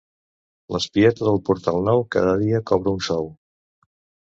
L'espieta del Portal Nou cada dia cobra un sou.